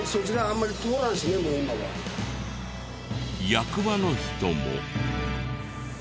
役場の人も。